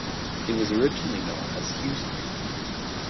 It was originally known as Hugh Street.